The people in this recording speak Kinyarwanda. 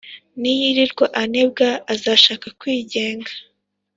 niyirirwa anebwa, azashaka kwigenga.